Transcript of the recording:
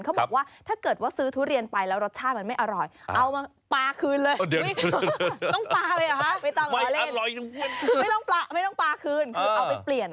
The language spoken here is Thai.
เขาบอกว่าถ้าเกิดว่าซื้อทุเรียนไปแล้วรสชาติมันไม่อร่อย